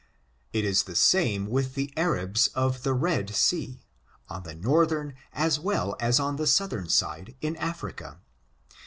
It is the same with the Arabs of the Red Sea, on the northern as well as on the southern side, in Af rica.